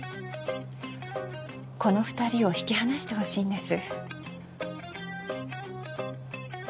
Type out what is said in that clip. この二人を引き離してほしいんです